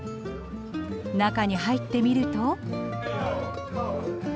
中に入ってみると。